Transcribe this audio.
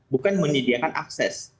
bukan menyediakan akses